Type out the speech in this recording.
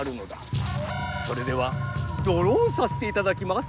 それではドロンさせていただきます。